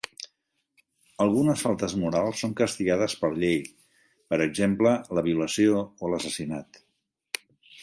Algunes faltes morals són castigades per llei, per exemple, la violació o l'assassinat.